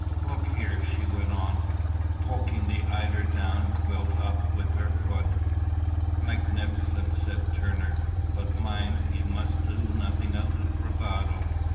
"Look here," she went on, poking the eider down quilt up with her foot. "Magnificent!" said Turner; "but mind, you must do nothing out of bravado.